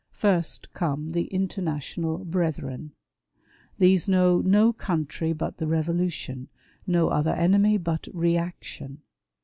First come the International Brethren. These know no country but the Revolution ; no other enemy but " re action."